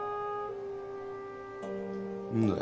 何だよ